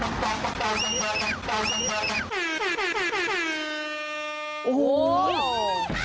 แล้วน้องคนนี้ก็เหมือนคนที่มาดูแล้วก็ขอเพลงอะไรแบบนี้